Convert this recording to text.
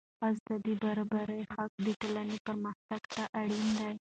ښځو ته د برابرۍ حق د ټولنې پرمختګ ته اړین دی.